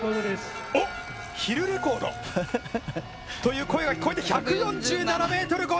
「ヒルレコード」という声が聞こえて１４７ｍ５０。